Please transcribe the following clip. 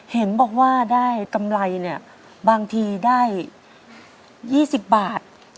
เห็นบอกว่าได้กำไรเนี่ยบางทีได้๒๐บาท